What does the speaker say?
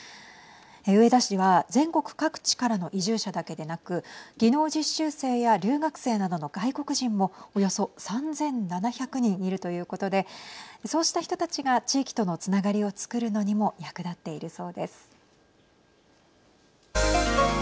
上田市は、全国各地からの移住者だけでなく技能実習生や留学生などの外国人もおよそ３７００人いるということでそうした人たちが地域とのつながりをつくるのにも役立っているそうです。